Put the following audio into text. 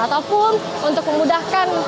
ataupun untuk memudahkan